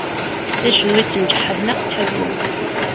Tajenwitt n ǧeḥḥa tneqq tḥeggu.